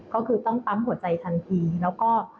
ก็คือต้องปั๊มหัวใจทันทีแล้วก็